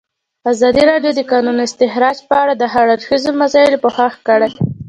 ازادي راډیو د د کانونو استخراج په اړه د هر اړخیزو مسایلو پوښښ کړی.